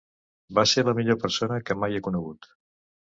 Va ser la millor persona que mai he conegut.